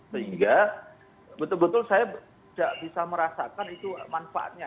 sehingga betul betul saya tidak bisa merasakan itu manfaatnya